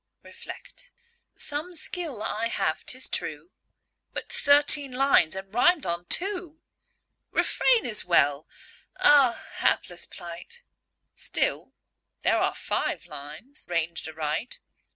Reflect. Some skill I have, 'tis true; But thirteen lines! and rimed on two! "Refrain" as well. Ah, Hapless plight! Still, there are five lines ranged aright.